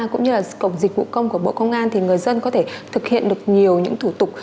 cũng như là cổng dịch vụ công của bộ công an thì người dân có thể thực hiện được nhiều những thủ tục